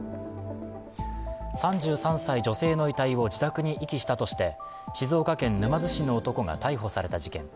３３歳女性の遺体を自宅に遺棄したとして静岡県沼津市の男が逮捕された事件。